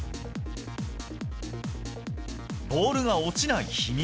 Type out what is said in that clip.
ボールが落ちない秘密。